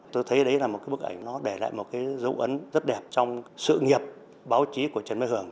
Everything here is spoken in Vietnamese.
tôi thấy đấy là một cái bức ảnh nó để lại một cái dấu ấn rất đẹp trong sự nghiệp báo chí của trần mai hưởng